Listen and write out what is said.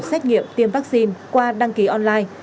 xét nghiệm tiêm vaccine qua đăng ký online